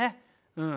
うん。